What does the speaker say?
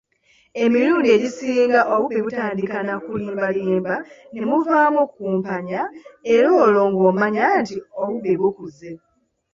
Emirundi egisinga obubbi butandika nakulimba limba, ne muvaamu okukumpanya, era olwo ng'omanya nti obubbi bukuze.